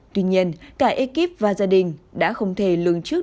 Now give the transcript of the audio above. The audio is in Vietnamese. tuy nhiên cả ekip và gia đình đã không thể lường trước